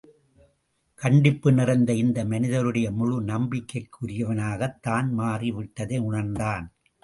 கண்டிப்பு நிறைந்த இந்த மனிதருடைய முழு நம்பிக்கைக்குரியவனாகத் தான் மாறி விட்டதையுணர்ந்தான்.